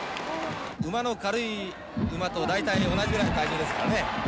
軽い馬と大体同じくらいの体重ですからね。